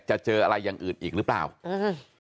เจออะไรอย่างอื่นอีกหรือเปล่าอืม